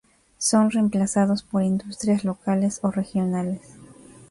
Son reemplazados por industrias locales o regionales.